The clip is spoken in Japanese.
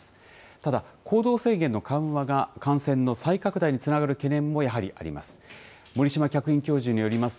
ただ、行動制限の緩和が感染の再拡大につながる懸念もやはりあります。